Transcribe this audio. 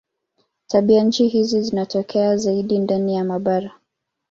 Tabianchi hizi zinatokea zaidi ndani ya mabara.